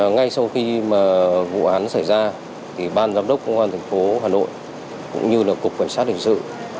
ngay sau khi vụ án xảy ra ban giám đốc công an tp hà nội cũng như cục cảnh sát hình sự